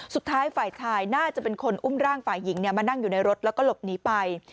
สุดท้ายฝ่ายชายน่าจะเป็นคนอุ้มร่างฝ่ายหญิงมานั่งอยู่ในรถแล้วก็หลบหนีไป